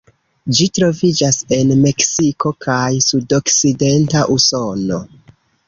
Ĝi troviĝas en Meksiko kaj sudokcidenta Usono.